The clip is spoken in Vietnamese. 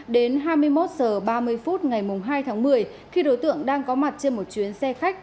đến hai mươi một h ba mươi phút ngày hai tháng một mươi khi đối tượng đang có mặt trên một chuyến xe khách